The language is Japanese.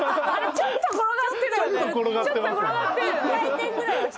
ちょっと転がってるよね。